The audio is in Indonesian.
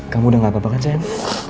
kamu udah gak apa apa kan sayang